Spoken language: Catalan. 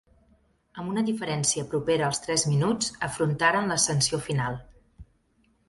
Amb una diferència propera als tres minuts afrontaren l'ascensió final.